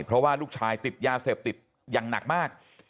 เพราะว่าลูกชายติดยาเสพติดอย่างหนักมาก